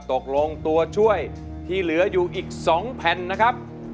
ตกลงตัวช่วยที่เหลืออยู่อีก๒แผ่นนะครับ